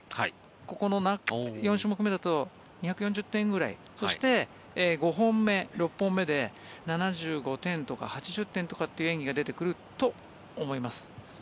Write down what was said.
ここの４種目目だと２４０点ぐらいそして、５本目、６本目で７５点とか８０点とかって演技が出てくると思います。